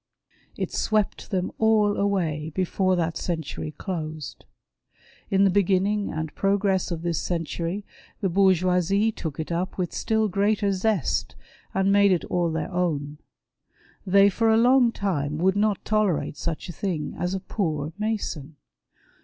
It swept them all away before that century closed. In the beginning and progress of this century the Baurgeoine took it up with still greater zest, and made it all their own. They for a long time would not tolerate such a thing as a poor Mason.